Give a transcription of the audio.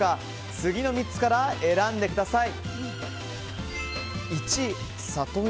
次の３つから選んでください。